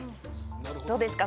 どうですか？